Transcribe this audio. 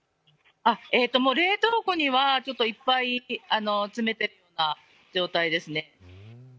冷凍庫にはいっぱい詰めてるような状態ですね。